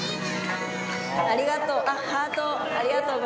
ありがとう。